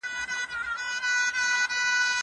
کېدای سي بازار ګڼه وي.